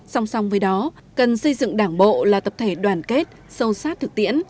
song song với đó cần xây dựng đảng bộ là tập thể đoàn kết sâu sát thực tiễn